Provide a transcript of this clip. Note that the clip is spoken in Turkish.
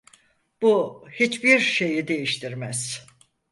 Bu hiçbir şeyi değiştirmez.